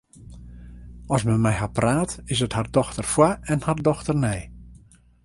As men mei har praat, is it har dochter foar en har dochter nei.